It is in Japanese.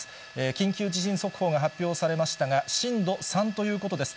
緊急地震速報が発表されましたが、震度３ということです。